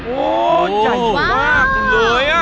โอ้ใหญ่มากเลย